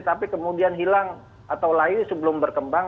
tapi kemudian hilang atau lahir sebelum berkembang